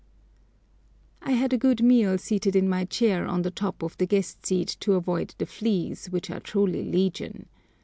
I had a good meal seated in my chair on the top of the guest seat to avoid the fleas, which are truly legion.